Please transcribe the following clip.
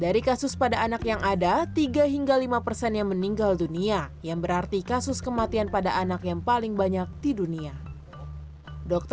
dari kasus pada anak yang ada tiga hingga lima persen yang meninggal dunia yang berarti kasus kematian pada anak yang paling banyak di dunia